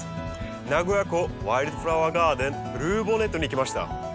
名古屋港ワイルドフラワーガーデンブルーボネットに来ました。